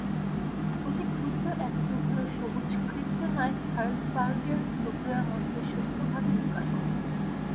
অতি ক্ষুদ্র এক টুকরো সবুজ ক্রিপ্টোনাইট হার্লসবার্গের টুকরার মধ্যে সূক্ষ্মভাবে লুকানো।